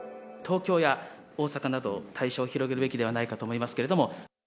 東京や大阪など、対象を広げるべきではないかと思いますけれども。